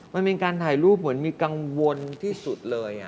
มันเป็นการถ่ายรูปเหมือนมีกังวลที่สุดเลย